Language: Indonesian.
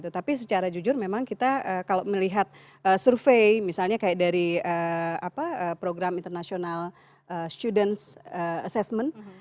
tapi secara jujur memang kita kalau melihat survei misalnya kayak dari program international students assessment